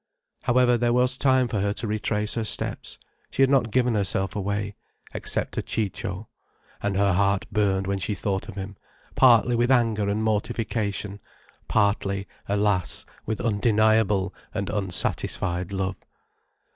However, there was time for her to retrace her steps. She had not given herself away. Except to Ciccio. And her heart burned when she thought of him, partly with anger and mortification, partly, alas, with undeniable and unsatisfied love.